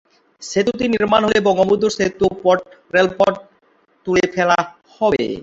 সেতুটি নির্মাণ হলে বঙ্গবন্ধু সেতুর রেলপথ তুলে ফেলা হবে।